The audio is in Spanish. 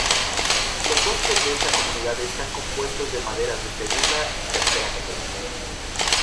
Los bosques de esta comunidad están compuestos de maderas de segunda y tercera categoría.